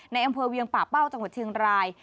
ในอำเภอเวียงป่าเป้าจังหวัดเชียงราย